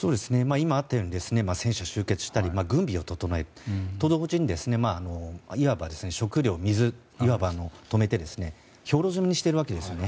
今あったように戦車が集結したり軍備を整えると同時にいわば食料、水を止めて兵糧攻めにしているわけですね。